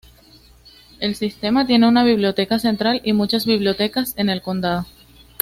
El sistema tiene una biblioteca central y muchas bibliotecas en el condado.